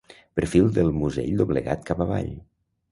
Perfil del musell doblegat cap avall.